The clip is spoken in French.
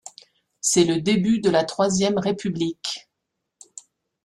C'est le début de la Troisième République.